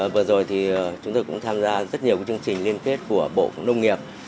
vừa rồi thì chúng tôi cũng tham gia rất nhiều chương trình liên kết của bộ nông nghiệp